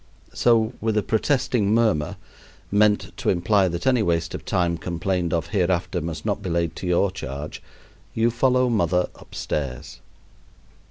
So with a protesting murmur, meant to imply that any waste of time complained of hereafter must not be laid to your charge, you follow "mother" upstairs.